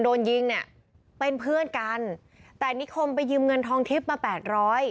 โดนยิงเนี่ยเป็นเพื่อนกันแต่นิคมไปยืมเงินทองทิพย์มาแปดร้อย